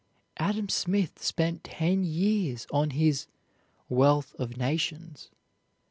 Adam Smith spent ten years on his "Wealth of Nations."